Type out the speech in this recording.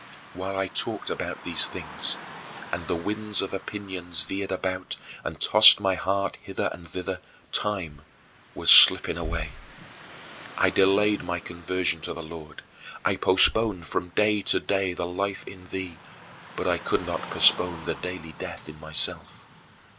20. While I talked about these things, and the winds of opinions veered about and tossed my heart hither and thither, time was slipping away. I delayed my conversion to the Lord; I postponed from day to day the life in thee, but I could not postpone the daily death in myself.